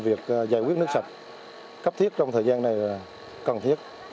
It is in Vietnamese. việc giải quyết nước sạch cấp thiết trong thời gian này là cần thiết